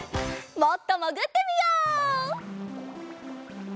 もっともぐってみよう！